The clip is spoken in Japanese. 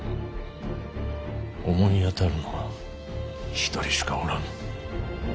思い当たるのは一人しかおらぬ。